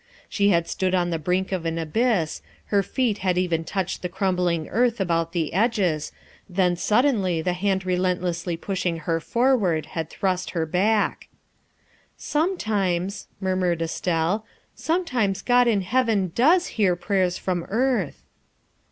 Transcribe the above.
She had stood on the brink of an abyss; her feet had even touched the crumbling earth about the edges, then suddenly the hand relentlessly pushing her forward had thrust her back. " Sometimes," murmured Estelle, " sometimes God in heaven does hear prayers from earth."